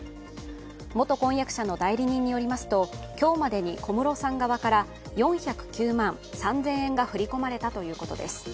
元婚約者の代理人によりますと、今日までに小室さん側から４０９万３０００円が振り込まれたということです。